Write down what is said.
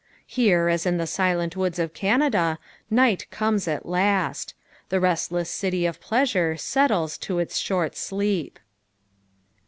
Here, as in the silent woods of Canada, night comes at last. The restless city of pleasure settles to its short sleep.